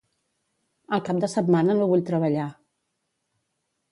El cap de setmana no vull treballar.